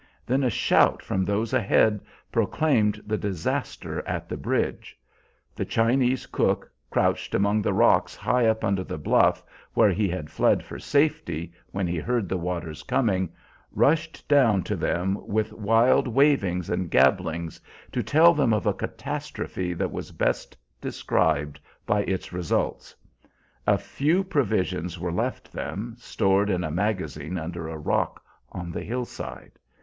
Then a shout from those ahead proclaimed the disaster at the bridge. The Chinese cook, crouched among the rocks high up under the bluff, where he had fled for safety when he heard the waters coming, rushed down to them with wild wavings and gabblings, to tell them of a catastrophe that was best described by its results. A few provisions were left them, stored in a magazine under a rock on the hillside.